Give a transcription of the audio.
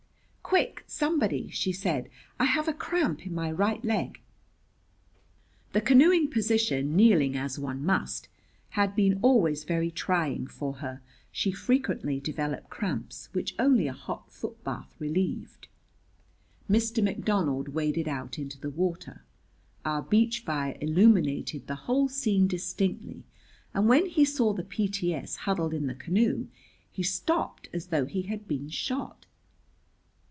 "Quick, somebody!" she said. "I have a cramp in my right leg." [The canoeing position, kneeling as one must, had been always very trying for her. She frequently developed cramps, which only a hot footbath relieved.] Mr. McDonald waded out into the water. Our beach fire illuminated the whole scene distinctly, and when he saw the P.T.S. huddled in the canoe he stopped as though he had been shot.